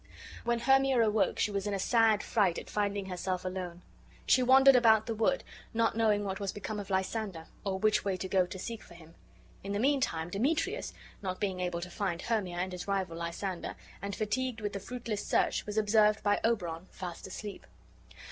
When Hermia awoke she was in a sad fright at finding herself alone. She wandered about the wood, not knowing what was become of Lysander, or which way to go to seek for him. In the mean time Demetrius, not being able to find Hermia and his rival Lysander, and fatigued with his fruitless search, was observed by Oberon fast asleep.